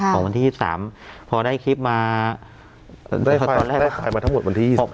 ของวันที่๒๓พอได้คลิปมาได้ไฟล์ได้ไฟล์มาทั้งหมดวันที่